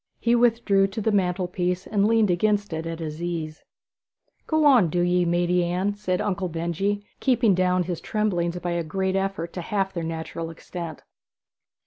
He withdrew to the mantelpiece and leaned against it at his ease. 'Go on, do ye, maidy Anne,' said Uncle Benjy, keeping down his tremblings by a great effort to half their natural extent.